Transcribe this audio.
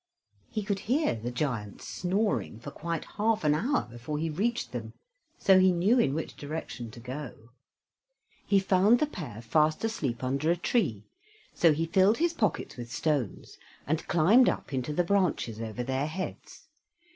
He could hear the giants snoring for quite half an hour before he reached them, so he knew in which direction to go. He found the pair fast asleep under a tree, so he filled his pockets with stones and climbed up into the branches over their heads.